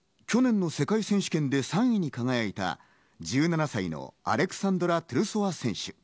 去年の世界選手権で３位に輝いた１７歳のアレクサンドラ・トゥルソワ選手。